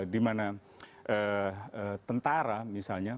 dimana tentara misalnya